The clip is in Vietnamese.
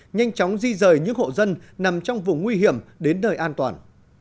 nhanh chóng di rời những hộ dân nằm trong vùng nguy hiểm đến nơi an toàn